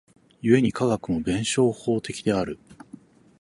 故に科学も弁証法的である。